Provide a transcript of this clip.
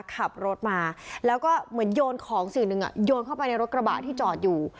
ขับรถมาแล้วก็เหมือนโยนของสิ่งหนึ่งโยนเข้าไปในรถกระบะที่จอดอยู่